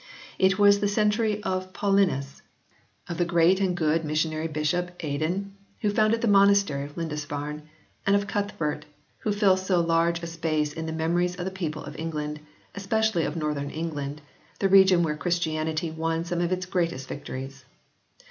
It was the century of Paulinus, of the great and good missionary bishop 10 HISTORY OF THE ENGLISH BIBLE [OH. Aidan, who founded the monastery of Lindisfarne ; and of Cuthhert who fills so large a space in the memories of the people of England, especially of northern England, the region where Christianity won some of its greatest victories.